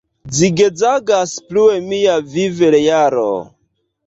Zigzagas plue mia viv-realo...